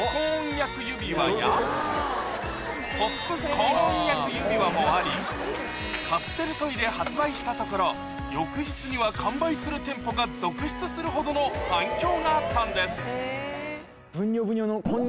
この他にももありカプセルトイで発売したところ翌日には完売する店舗が続出するほどの反響があったんですブニョブニョの。